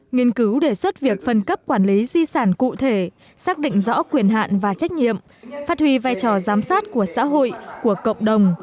nghiên cứu đề xuất việc phân cấp quản lý di sản cụ thể xác định rõ quyền hạn và trách nhiệm phát huy vai trò giám sát của xã hội của cộng đồng